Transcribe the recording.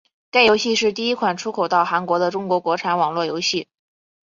该游戏是第一款出口到韩国的中国国产网络游戏。